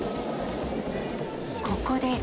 ここで。